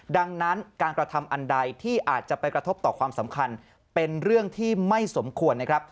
ดังนั้นการกระทำอันใดที่อาจจะไปกระทบต่อความสำคัญเป็นเรื่องที่ไม่สมควรนะครับ